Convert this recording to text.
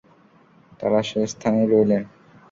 তারা সে স্থানেই রইলেন।